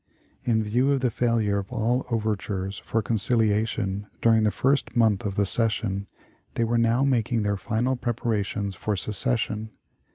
In view of the failure of all overtures for conciliation during the first month of the session, they were now making their final preparations for secession.